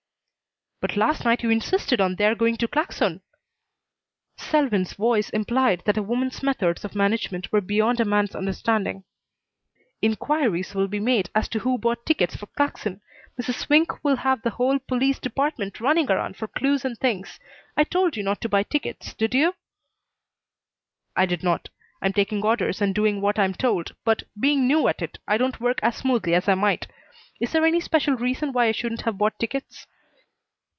"But last night you insisted on their going to Claxon." Selwyn's voice implied that a woman's methods of management were beyond a man's understanding. "Inquiries will be made as to who bought tickets for Claxon. Mrs. Swink will have the whole police department running around for clues and things. I told you not to buy tickets. Did you?" "I did not. I'm taking orders and doing what I'm told, but, being new at it, I don't work as smoothly as I might. Is there any special reason why I shouldn't have bought tickets?"